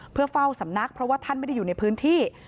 เพื่อเฝ้าสำนักเพราะว่าท่านไม่ได้อยู่ในพื้นที่